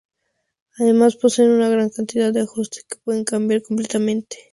Además poseen una gran cantidad de ajustes que pueden cambiar completamente su uso predeterminado.